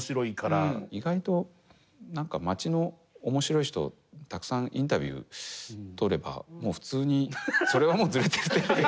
意外となんか街の面白い人たくさんインタビュー撮れば普通にそれがもうズレてる。